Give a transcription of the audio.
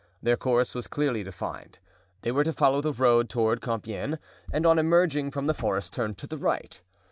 Their course was clearly defined: they were to follow the road toward Compiegne and on emerging from the forest turn to the right.